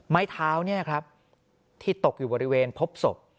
ไม้เท้าเนี่ยครับที่ตกอยู่บริเวณพบศพ